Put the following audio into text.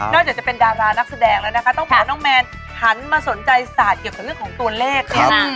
จากจะเป็นดารานักแสดงแล้วนะคะต้องบอกว่าน้องแมนหันมาสนใจศาสตร์เกี่ยวกับเรื่องของตัวเลขเนี่ย